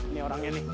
ini orangnya nih